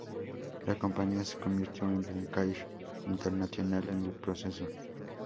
La compañía se convirtió en Lancair International en el proceso.